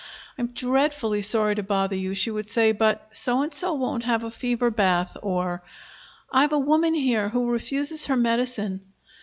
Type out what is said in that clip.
"I'm dreadfully sorry to bother you," she would say, "but So and So won't have a fever bath"; or, "I've a woman here who refuses her medicine."